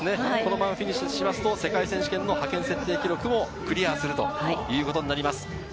このままフィニッシュすると世界選手権の派遣標準記録もクリアするということになります。